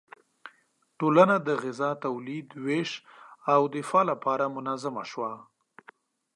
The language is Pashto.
ټولنه د غذا تولید، ویش او دفاع لپاره منظم شوه.